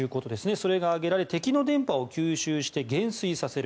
それが挙げられ、敵の電波を吸収して減衰させる。